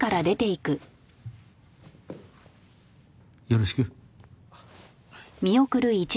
よろしく。